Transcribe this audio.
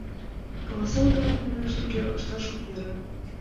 — Каласен гынат, манеш, туге ышташ ок йӧрӧ.